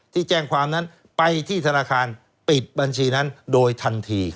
ที่แจ้งความนั้นไปที่ธนาคารปิดบัญชีนั้นโดยทันที